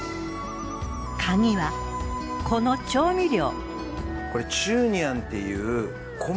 カギはこの調味料。